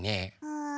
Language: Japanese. うん？